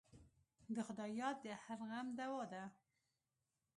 د خدای یاد د هر غم دوا ده.